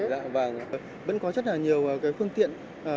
vâng vẫn có rất là nhiều phương tiện